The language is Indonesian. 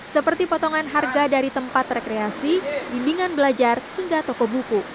seperti potongan harga dari tempat rekreasi bimbingan belajar hingga toko buku